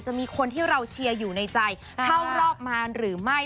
มีคนที่เราเชียร์อยู่ในใจเข้ารอบมาหรือไม่